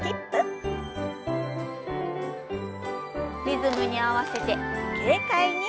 リズムに合わせて軽快に。